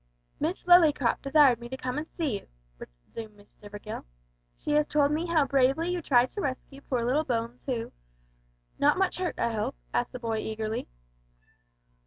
"Miss Lillycrop desired me to come and see you," resumed Miss Stivergill. "She has told me how bravely you tried to rescue poor little Bones, who " "Not much hurt, I hope?" asked the boy eagerly.